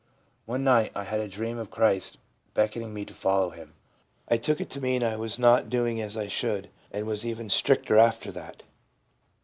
One night I had a dream of Christ beckoning me to follow Him ; I took it to mean I was not doing as I should, and was even stricter after that.'